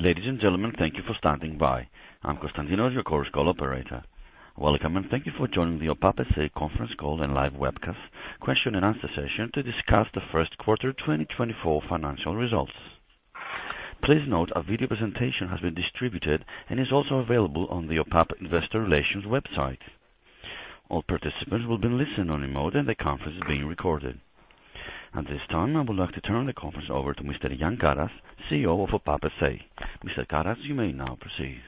Ladies and gentlemen, thank you for standing by. I'm Constantina, your Chorus Call operator. Welcome, and thank you for joining the OPAP S.A. conference call and live webcast question and answer session to discuss the first quarter 2024 financial results. Please note, a video presentation has been distributed and is also available on the OPAP Investor Relations website. All participants will be in listen-only mode, and the conference is being recorded. At this time, I would like to turn the conference over to Mr. Jan Karas, CEO of OPAP S.A. Mr. Karas, you may now proceed.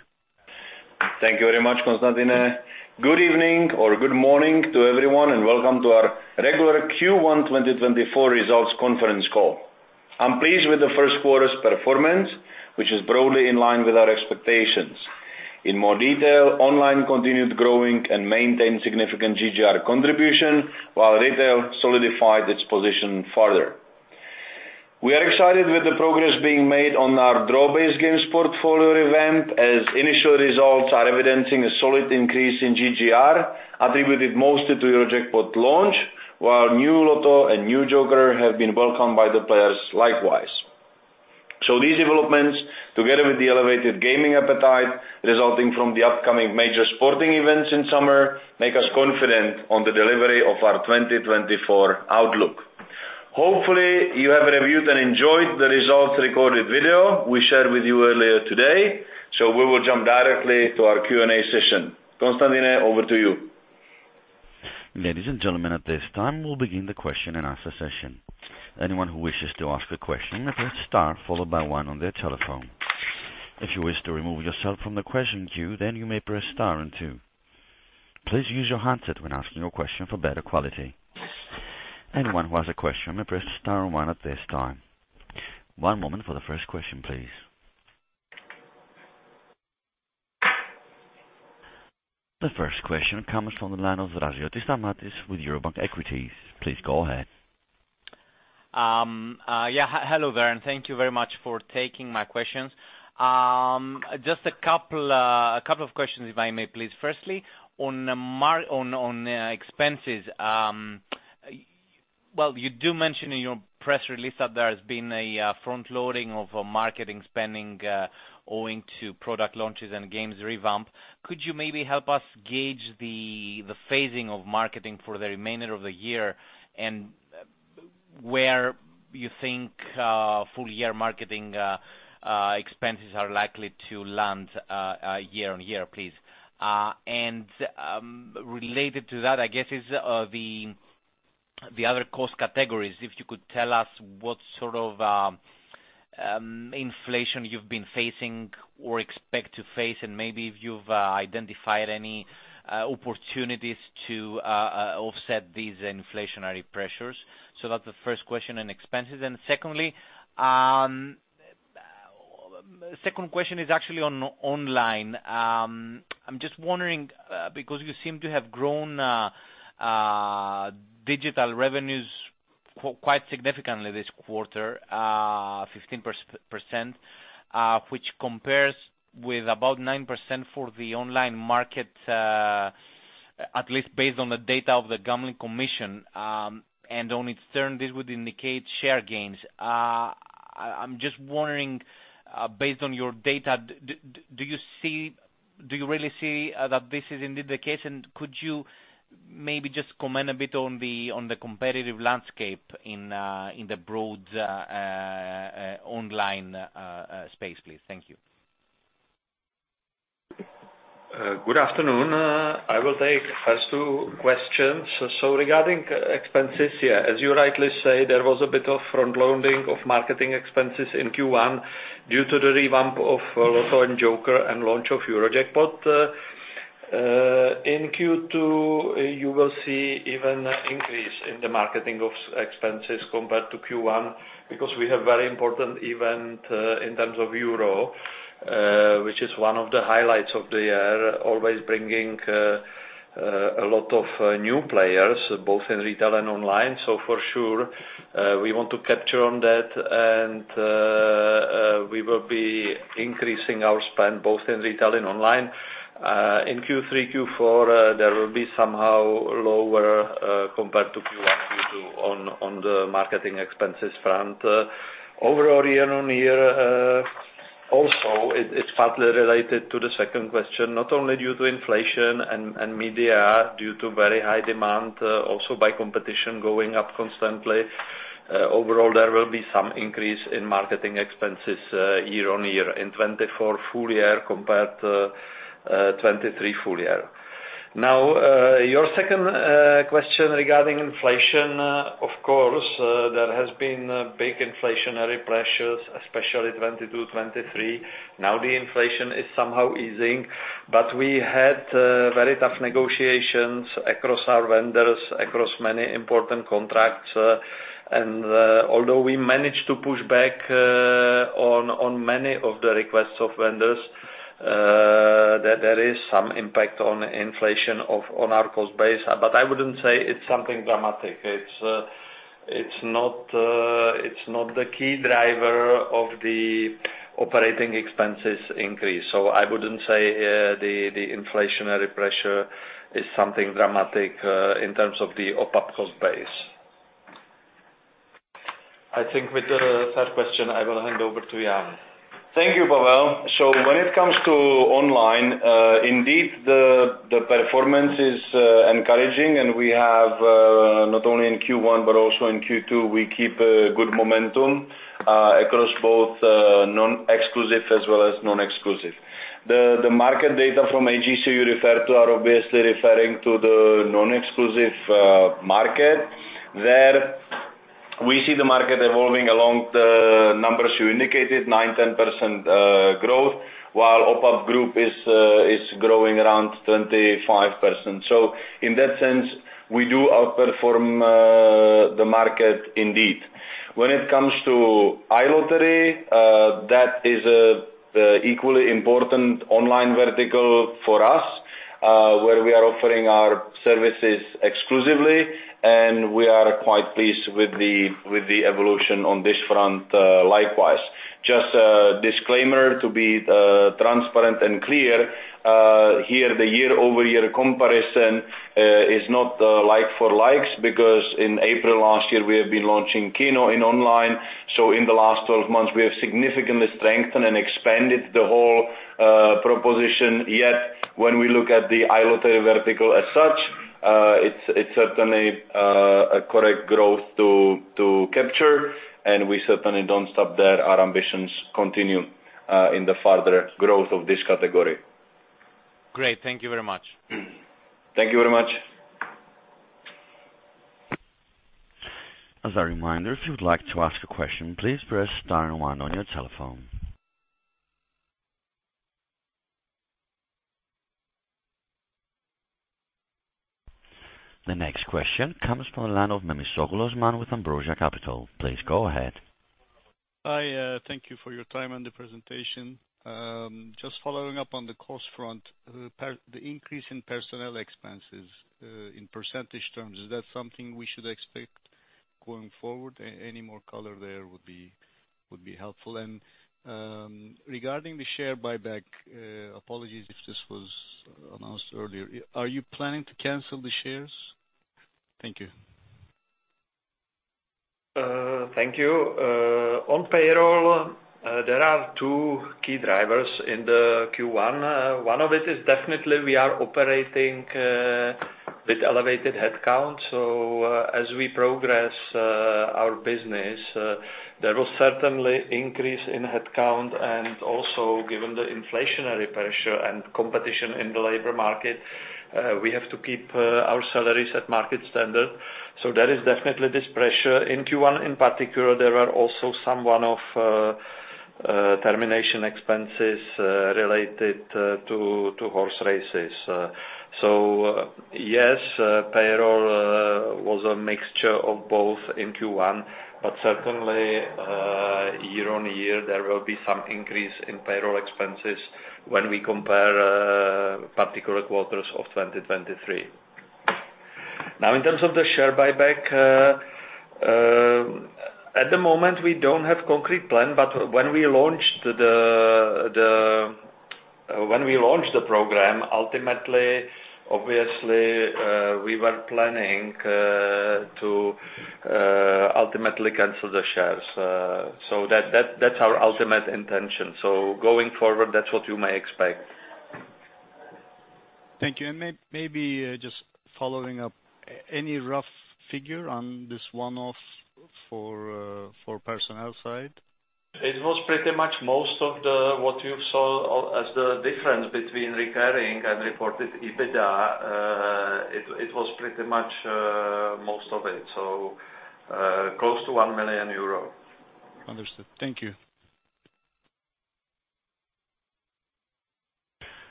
Thank you very much, Constantina. Good evening or good morning to everyone, and welcome to our regular Q1 2024 results conference call. I'm pleased with the first quarter's performance, which is broadly in line with our expectations. In more detail, online continued growing and maintained significant GGR contribution, while retail solidified its position further. We are excited with the progress being made on our draw-based games portfolio even, as initial results are evidencing a solid increase in GGR, attributed mostly to EuroJackpot launch, while new Lotto and new Joker have been welcomed by the players likewise. So these developments, together with the elevated gaming appetite resulting from the upcoming major sporting events in summer, make us confident on the delivery of our 2024 outlook. Hopefully, you have reviewed and enjoyed the results-recorded video we shared with you earlier today, so we will jump directly to our Q&A session. Constantina, over to you. Ladies and gentlemen, at this time, we'll begin the question and answer session. Anyone who wishes to ask a question, press star followed by one on their telephone. If you wish to remove yourself from the question queue, then you may press star and two. Please use your handset when asking your question for better quality. Anyone who has a question may press star and one at this time. One moment for the first question, please. The first question comes from the line of Stamatios Draziotis with Eurobank Equities. Please go ahead. Yeah, hello there, and thank you very much for taking my questions. Just a couple of questions, if I may please. Firstly, on expenses, well, you do mention in your press release that there has been a front loading of marketing spending, owing to product launches and games revamp. Could you maybe help us gauge the phasing of marketing for the remainder of the year, and where you think full year marketing expenses are likely to land year on year, please? And related to that, I guess, is the other cost categories, if you could tell us what sort of inflation you've been facing or expect to face, and maybe if you've identified any opportunities to offset these inflationary pressures. So that's the first question on expenses. And secondly, second question is actually on online. I'm just wondering, because you seem to have grown digital revenues quite significantly this quarter, 15%, which compares with about 9% for the online market, at least based on the data of the Gambling Commission. And on its turn, this would indicate share gains. I'm just wondering, based on your data, do you see... Do you really see that this is indeed the case? And could you maybe just comment a bit on the competitive landscape in the broad online space, please? Thank you. Good afternoon. I will take first two questions. So regarding expenses, yeah, as you rightly say, there was a bit of front-loading of marketing expenses in Q1 due to the revamp of Lotto and Joker and launch of EuroJackpot. In Q2, you will see even increase in the marketing expenses compared to Q1, because we have very important event in terms of Euro, which is one of the highlights of the year, always bringing a lot of new players, both in retail and online. So for sure, we want to capitalize on that, and we will be increasing our spend both in retail and online. In Q3, Q4, there will be somewhat lower compared to Q1, Q2 on the marketing expenses front. Overall, year on year, also, it, it's partly related to the second question, not only due to inflation and media, due to very high demand, also by competition going up constantly. Overall, there will be some increase in marketing expenses, year on year in 2024 full year compared to 2023 full year. Now, your second question regarding inflation, of course, there has been big inflationary pressures, especially 2022, 2023. Now, the inflation is somehow easing, but we had very tough negotiations across our vendors, across many important contracts, and although we managed to push back on many of the requests of vendors, there is some impact on inflation of on our cost base. But I wouldn't say it's something dramatic. It's not the key driver of the operating expenses increase. So I wouldn't say the inflationary pressure is something dramatic in terms of the OPAP cost base. I think with the third question, I will hand over to Jan. Thank you, Pavel. So when it comes to online, indeed, the performance is encouraging, and we have not only in Q1, but also in Q2, we keep a good momentum across both non-exclusive as well as non-exclusive. The market data from HGC you referred to are obviously referring to the non-exclusive market. Where we see the market evolving along the numbers you indicated, 9%-10% growth, while OPAP Group is growing around 25%. So in that sense, we do outperform the market indeed. When it comes to iLottery, that is an equally important online vertical for us, where we are offering our services exclusively, and we are quite pleased with the evolution on this front, likewise. Just, disclaimer to be transparent and clear, here, the year-over-year comparison is not like for likes, because in April last year, we have been launching Keno in online. So in the last twelve months, we have significantly strengthened and expanded the whole proposition. Yet, when we look at the iLottery vertical as such, it's certainly a correct growth to capture, and we certainly don't stop there. Our ambitions continue in the further growth of this category. Great. Thank you very much. Thank you very much. As a reminder, if you would like to ask a question, please press star one on your telephone. The next question comes from the line of Osman Memisoglu with Ambrosia Capital. Please go ahead. Hi, thank you for your time and the presentation. Just following up on the cost front, the increase in personnel expenses, in percentage terms, is that something we should expect going forward? Any more color there would be, would be helpful. And, regarding the share buyback, apologies if this was announced earlier, are you planning to cancel the shares? Thank you. Thank you. On payroll, there are two key drivers in Q1. One of it is definitely we are operating with elevated headcount. So, as we progress our business, there will certainly increase in headcount, and also given the inflationary pressure and competition in the labor market, we have to keep our salaries at market standard. So there is definitely this pressure. In Q1, in particular, there are also some one-off termination expenses related to horse races. So yes, payroll was a mixture of both in Q1, but certainly, year on year, there will be some increase in payroll expenses when we compare particular quarters of 2023. Now, in terms of the share buyback, at the moment, we don't have concrete plan, but when we launched the program, ultimately, obviously, we were planning to ultimately cancel the shares. So that, that's our ultimate intention. So going forward, that's what you may expect. Thank you. And maybe just following up, any rough figure on this one-off for personnel side? It was pretty much most of the, what you saw as the difference between recurring and reported EBITDA. It was pretty much most of it, so close to 1 million euro. Understood. Thank you.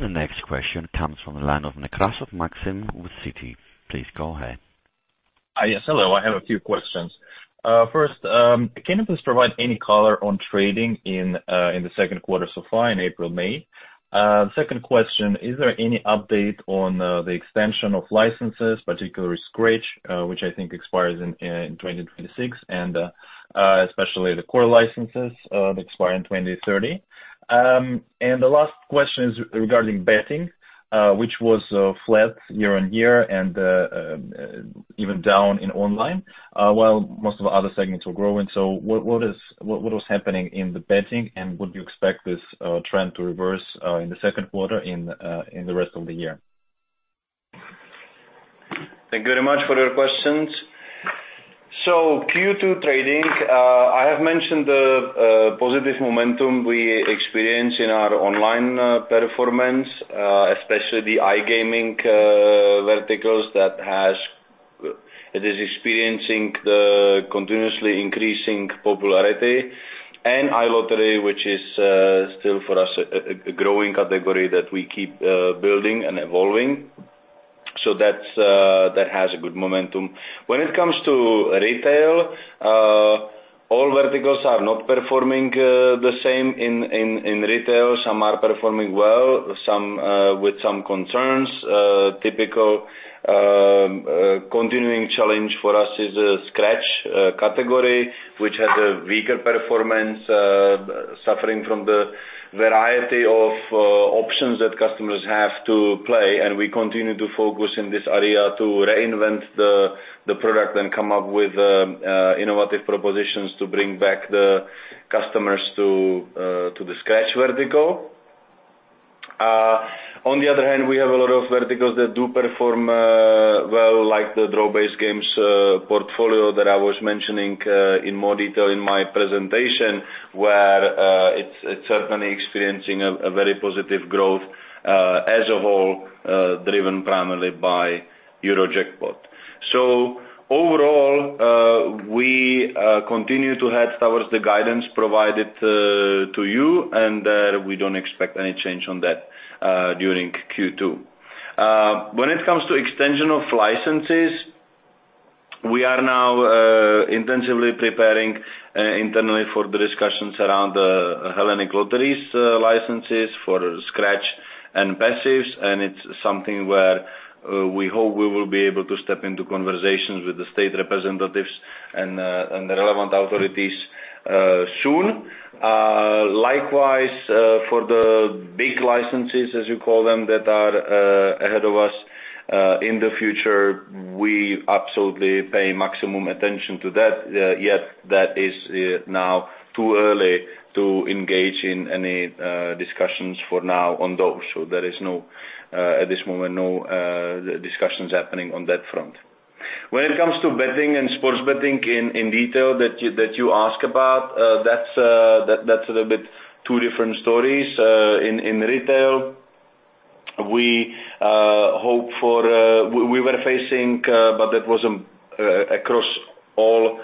The next question comes from the line of Maxim Nekrasov with Citi. Please go ahead. Yes, hello, I have a few questions. First, can you please provide any color on trading in the second quarter so far, in April, May? Second question, is there any update on the extension of licenses, particularly Scratch, which I think expires in 2026, and especially the core licenses that expire in 2030? And the last question is regarding betting, which was flat year-on-year and even down in online, while most of the other segments were growing. So what was happening in the betting, and would you expect this trend to reverse in the second quarter in the rest of the year? Thank you very much for your questions. So Q2 trading, I have mentioned the positive momentum we experience in our online performance, especially the iGaming verticals. It is experiencing the continuously increasing popularity and iLottery, which is still for us a growing category that we keep building and evolving. So that's that has a good momentum. When it comes to retail, all verticals are not performing the same in retail. Some are performing well, some with some concerns. Typical continuing challenge for us is the Scratch category, which has a weaker performance suffering from the variety of... options that customers have to play, and we continue to focus in this area to reinvent the product and come up with innovative propositions to bring back the customers to the Scratch vertical. On the other hand, we have a lot of verticals that do perform well, like the draw-based games portfolio that I was mentioning in more detail in my presentation, where it's certainly experiencing a very positive growth as a whole, driven primarily by EuroJackpot. So overall, we continue to head towards the guidance provided to you, and we don't expect any change on that during Q2. When it comes to extension of licenses, we are now intensively preparing internally for the discussions around the Hellenic Lotteries licenses for Scratch and passives, and it's something where we hope we will be able to step into conversations with the state representatives and the relevant authorities soon. Likewise, for the big licenses, as you call them, that are ahead of us in the future, we absolutely pay maximum attention to that, yet that is now too early to engage in any discussions for now on those. So there is no, at this moment, no discussions happening on that front. When it comes to betting and sports betting in detail that you ask about, that's a little bit two different stories. In retail, we were facing, but that was across all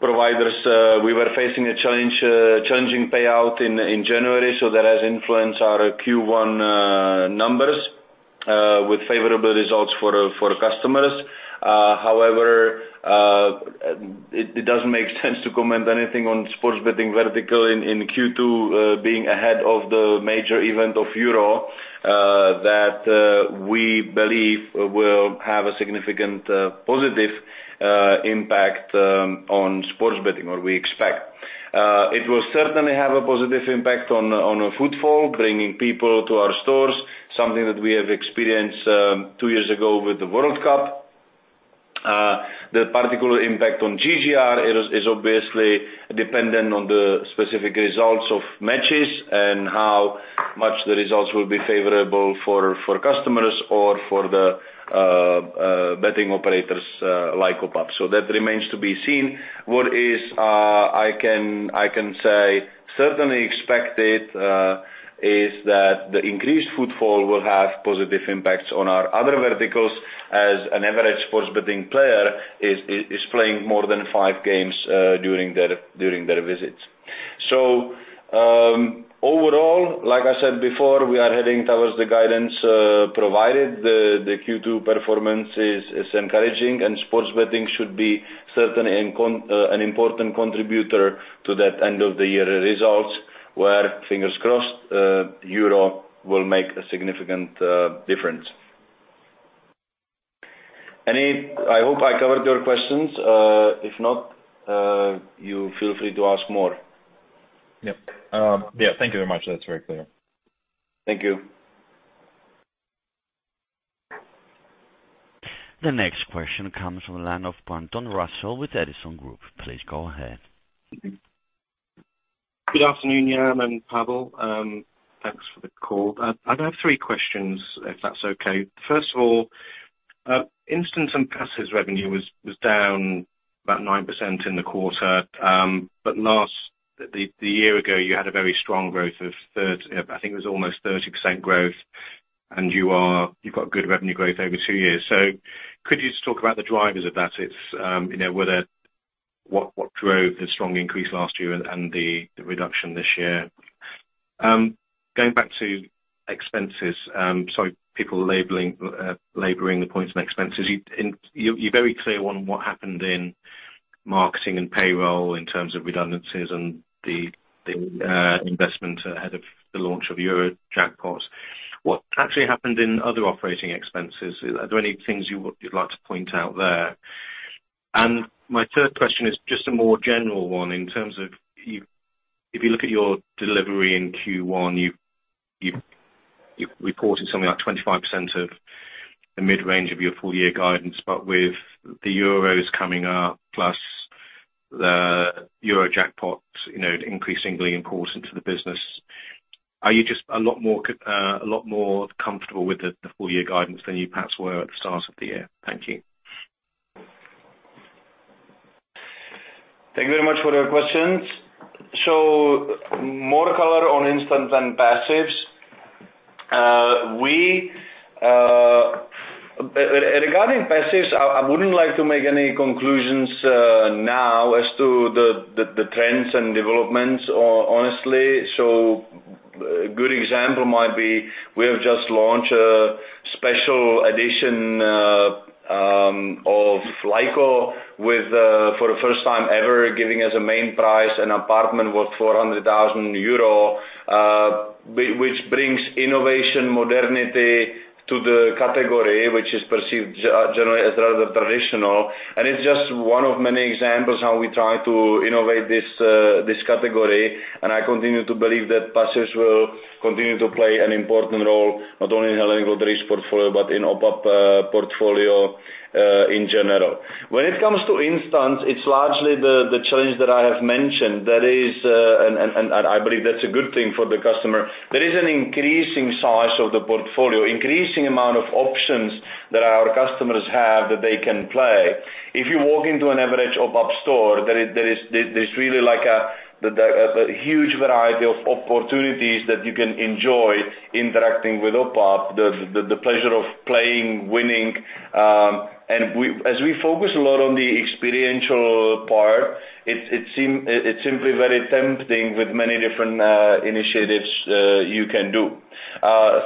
providers, we were facing a challenge, challenging payout in January, so that has influenced our Q1 numbers with favorable results for customers. However, it doesn't make sense to comment anything on sports betting vertical in Q2, being ahead of the major event of Euro, that we believe will have a significant positive impact on sports betting, or we expect. It will certainly have a positive impact on footfall, bringing people to our stores, something that we have experienced two years ago with the World Cup. The particular impact on GGR is obviously dependent on the specific results of matches and how much the results will be favorable for customers or for the betting operators, like OPAP. So that remains to be seen. What I can say is certainly expected is that the increased footfall will have positive impacts on our other verticals as an average sports betting player is playing more than five games during their visits. So, overall, like I said before, we are heading towards the guidance provided. The Q2 performance is encouraging, and sports betting should be certainly an important contributor to that end of the year results, where, fingers crossed, Euro will make a significant difference. Any... I hope I covered your questions. If not, you feel free to ask more. Yep. Yeah, thank you very much. That's very clear. Thank you. The next question comes from the line of Russell Pointon with Edison Group. Please go ahead. Good afternoon, Jan and Pavel. Thanks for the call. I'd have three questions, if that's okay. First of all, Instants and passives revenue was down about 9% in the quarter, but last year ago, you had a very strong growth of 30, I think it was almost 30% growth, and you've got good revenue growth over two years. So could you just talk about the drivers of that? It's you know, were there... What drove the strong increase last year and the reduction this year? Going back to expenses, sorry, people labeling, laboring the points and expenses, you and you're very clear on what happened in marketing and payroll in terms of redundancies and the investment ahead of the launch of EuroJackpot. What actually happened in other operating expenses? Are there any things you would like to point out there? My third question is just a more general one in terms of you, if you look at your delivery in Q1, you've reported something like 25% of the mid-range of your full year guidance, but with the Euros coming up, plus the EuroJackpot, you know, increasingly important to the business, are you just a lot more comfortable with the full year guidance than you perhaps were at the start of the year? Thank you. Thank you very much for your questions. So more color on instants and passives. Regarding passives, I wouldn't like to make any conclusions now as to the trends and developments, honestly. So a good example might be, we have just launched a special edition of Laiko with, for the first time ever, giving us a main prize, an apartment worth 400,000 euro, which brings innovation, modernity to the category, which is perceived generally as rather traditional. And it's just one of many examples how we try to innovate this category. And I continue to believe that passives will continue to play an important role, not only in Hellenic Lotteries portfolio, but in OPAP portfolio in general. When it comes to instant, it's largely the challenge that I have mentioned, that is, I believe that's a good thing for the customer. There is an increasing size of the portfolio, increasing amount of options that our customers have that they can play. If you walk into an average OPAP store, there is there's really like a huge variety of opportunities that you can enjoy interacting with OPAP, the pleasure of playing, winning, and as we focus a lot on the experiential part, it seem it's simply very tempting with many different initiatives you can do.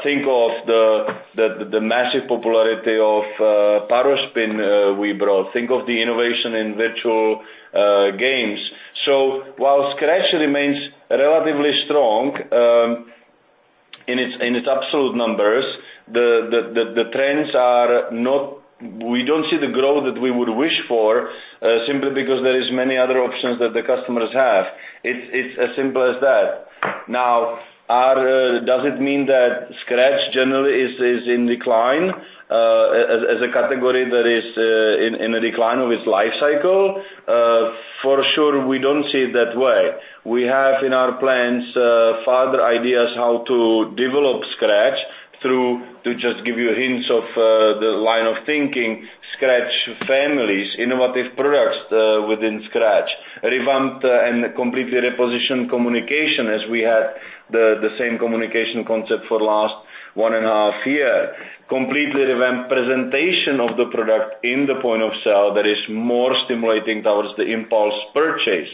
Think of the massive popularity of Power Spin, we brought, think of the innovation in virtual games. So while Scratch remains relatively strong, in its absolute numbers, the trends are not... We don't see the growth that we would wish for, simply because there is many other options that the customers have. It's as simple as that. Now, does it mean that Scratch generally is in decline, as a category that is in a decline of its life cycle? For sure, we don't see it that way. We have in our plans, further ideas how to develop Scratch through, to just give you hints of, the line of thinking, Scratch families, innovative products, within Scratch. Revamp and completely reposition communication, as we had the same communication concept for last one and a half year. Completely revamp presentation of the product in the point of sale that is more stimulating towards the impulse purchase.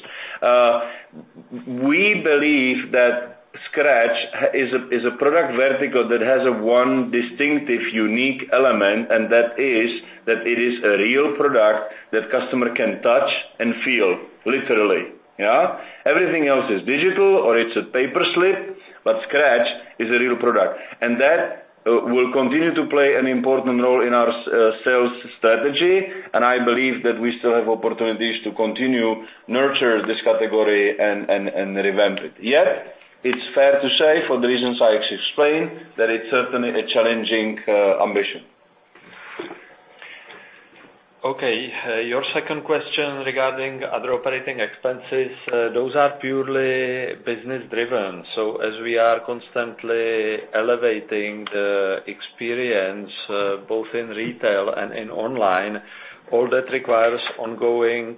We believe that Scratch is a, is a product vertical that has a one distinctive, unique element, and that is, that it is a real product that customer can touch and feel literally, yeah? Everything else is digital, or it's a paper slip, but Scratch is a real product. And that will continue to play an important role in our sales strategy, and I believe that we still have opportunities to continue nurture this category and, and, and revamp it. Yet, it's fair to say, for the reasons I explained, that it's certainly a challenging ambition. Okay. Your second question regarding other operating expenses, those are purely business driven. So as we are constantly elevating the experience, both in retail and in online, all that requires ongoing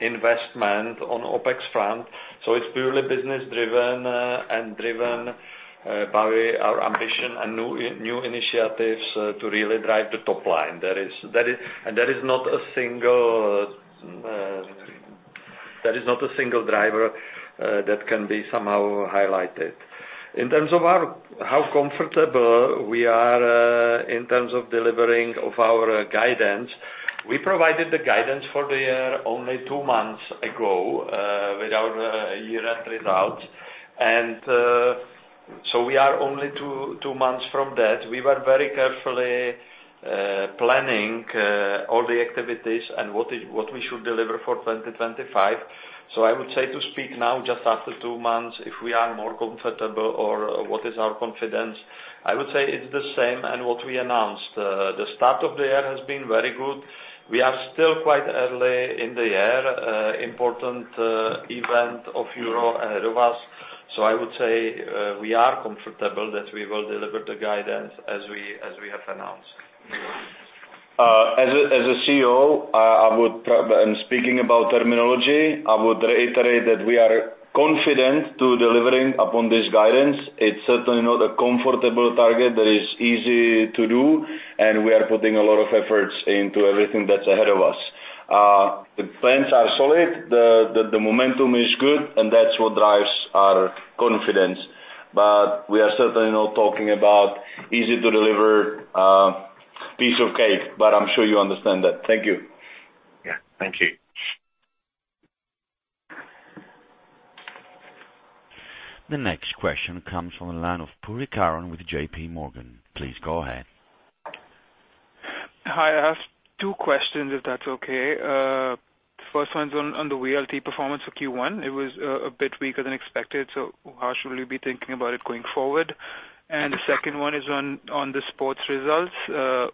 investment on OpEx front. So it's purely business driven, and driven by our ambition and new initiatives to really drive the top line. There is not a single driver that can be somehow highlighted. In terms of how comfortable we are in terms of delivering of our guidance, we provided the guidance for the year only two months ago with our year-end results. So we are only two months from that. We were very carefully planning all the activities and what we should deliver for 2025. So I would say, to speak now just after two months, if we are more comfortable or what is our confidence, I would say it's the same, and what we announced. The start of the year has been very good. We are still quite early in the year, important event of Euro ahead of us. So I would say, we are comfortable that we will deliver the guidance as we, as we have announced. As a CEO, and speaking about terminology, I would reiterate that we are confident to delivering upon this guidance. It's certainly not a comfortable target that is easy to do, and we are putting a lot of efforts into everything that's ahead of us. The plans are solid, the momentum is good, and that's what drives our confidence. But we are certainly not talking about easy to deliver, piece of cake, but I'm sure you understand that. Thank you. Yeah. Thank you. The next question comes from the line of Karan Puri with JPMorgan. Please go ahead. Hi, I have two questions, if that's okay. First one's on the VLT performance for Q1. It was a bit weaker than expected, so how should we be thinking about it going forward? And the second one is on the sports results,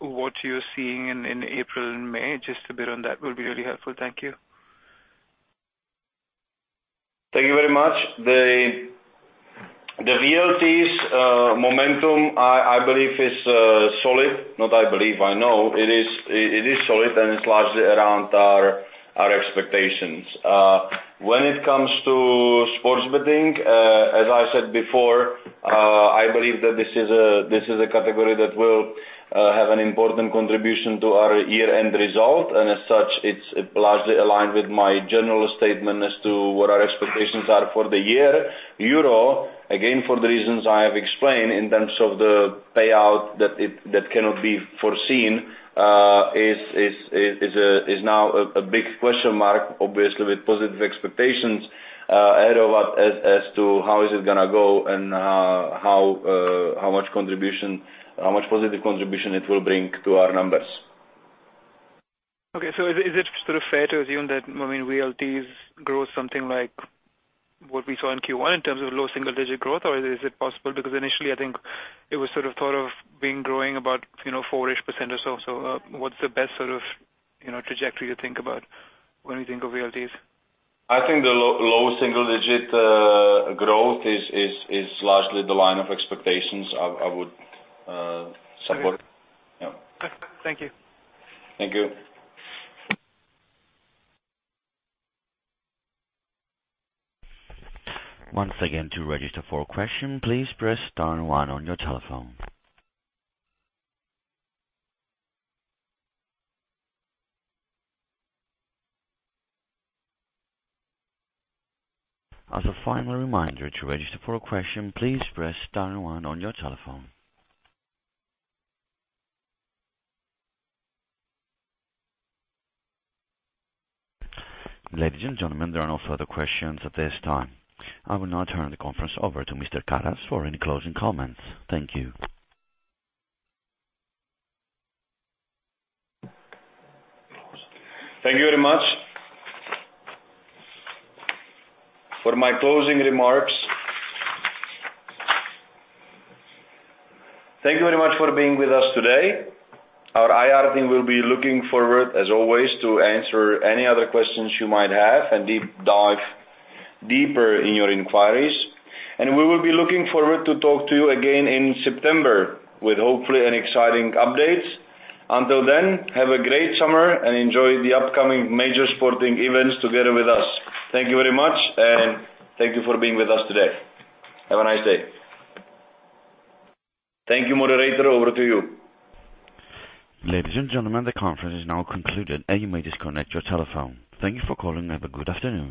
what you're seeing in April and May, just a bit on that will be really helpful. Thank you. Thank you very much. The VLTs' momentum, I believe, is solid. Not I believe, I know it is—it is solid, and it's largely around our expectations. When it comes to sports betting, as I said before, I believe that this is a category that will have an important contribution to our year-end result. And as such, it's largely aligned with my general statement as to what our expectations are for the year. EuroJackpot, again, for the reasons I have explained in terms of the payout that it—that cannot be foreseen, is now a big question mark, obviously, with positive expectations about as to how it is gonna go and how much contribution, how much positive contribution it will bring to our numbers. Okay. So is it, is it sort of fair to assume that, I mean, retail's growth something like what we saw in Q1 in terms of low single digit growth? Or is it possible because initially, I think it was sort of thought of being growing about, you know, 4-ish% or so. So, what's the best sort of, you know, trajectory to think about when we think of retail's? I think the low single digit growth is largely the line of expectations. I would support. Yeah. Thank you. Thank you. Once again, to register for a question, please press star one on your telephone. As a final reminder, to register for a question, please press star one on your telephone. Ladies and gentlemen, there are no further questions at this time. I will now turn the conference over to Mr. Karas for any closing comments. Thank you. Thank you very much. For my closing remarks. Thank you very much for being with us today. Our IR team will be looking forward, as always, to answer any other questions you might have and deep dive deeper in your inquiries. We will be looking forward to talk to you again in September, with hopefully an exciting update. Until then, have a great summer and enjoy the upcoming major sporting events together with us. Thank you very much, and thank you for being with us today. Have a nice day. Thank you, moderator. Over to you. Ladies and gentlemen, the conference is now concluded, and you may disconnect your telephone. Thank you for calling. Have a good afternoon.